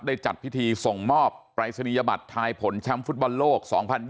จัดพิธีส่งมอบปรายศนียบัตรทายผลแชมป์ฟุตบอลโลก๒๐๒๐